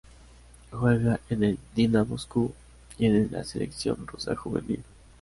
Juega en el Dina Moscú, y en la Selección rusa juvenil.